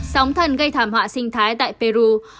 sóng thần gây thảm họa sinh thái tại peru